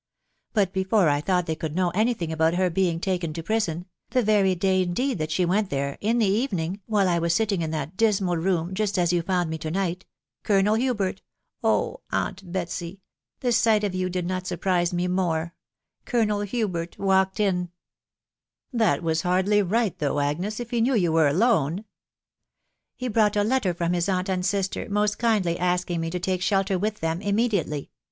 ... But before I thought they could know any thing about her being taken to prison the very day indeed that she went there, in the evening, while I was sitting in that dismal room, just as you found me to night .... Colonel Hubert .... Oh ! aunt Betsy ..•• the aght of yon did not surprise me more .... Colonel Huberts walked in." THE WIDOW BARNABY. 397 " That was hardly right, though, Agnes, if he knew yott were alone." tc He brought a letter from his aunt and sister, most kindly asking me to take shelter with them immediately